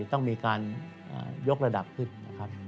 ต้องมีการยกระดับขึ้น